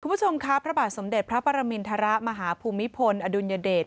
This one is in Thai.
คุณผู้ชมครับพระบาทสมเด็จพระปรมินทรมาฮภูมิพลอดุลยเดช